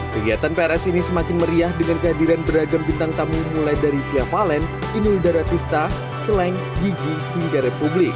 kegiatan prs ini semakin meriah dengan kehadiran beragam bintang tamu mulai dari via valen inul daratista sleng gigi hingga republik